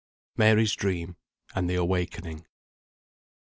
MARY'S DREAM AND THE AWAKENING.